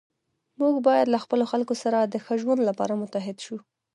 موږ باید له خپلو خلکو سره د ښه ژوند لپاره متحد شو.